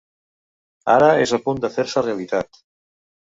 Ara és a punt de fer-se realitat.